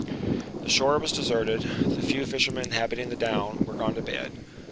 The shore was deserted; the few fishermen inhabiting the down were gone to bed.